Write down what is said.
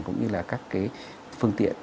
cũng như là các cái phương tiện